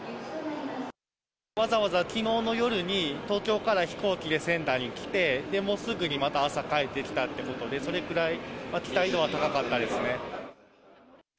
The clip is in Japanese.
わざわざきのうの夜に、東京から飛行機で仙台に来て、もう、すぐにまた朝帰ってきたということで、それくらい期待度は高かったですね。